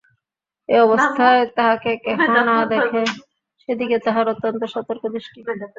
এ অবস্থায় তাহকে কেহ না দেখে, সেদিকে তাহার অত্যন্ত সতর্ক দৃষ্টি!